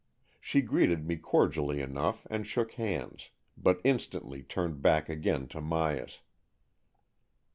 She greeted me cordially enough, and shook hands, but instantly turned back again to Myas.